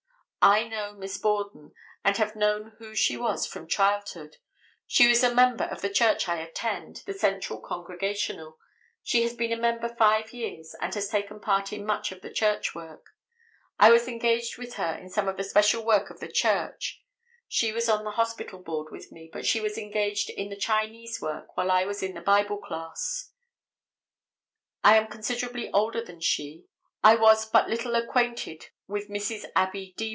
"I know Miss Borden and have known who she was from childhood; she is a member of the church I attend, the Central Congregational; she has been a member five years and has taken part in much of the church work; I was engaged with her in some of the special work of the church; she was on the hospital board with me, but she was engaged in the Chinese work while I was in the Bible class; I am considerably older than she. I was but little acquainted with Mrs. Abbie D.